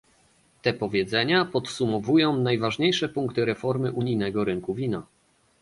Te powiedzenia podsumowują najważniejsze punkty reformy unijnego rynku wina